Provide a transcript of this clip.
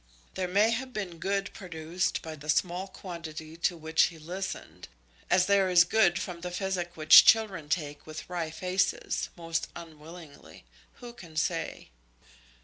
There may have been good produced by the small quantity to which he listened, as there is good from the physic which children take with wry faces, most unwillingly. Who can say?